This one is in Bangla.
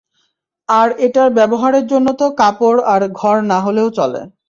আর এটার ব্যবহারের জন্য তো কাপড় আর ঘর না হলেও চলে।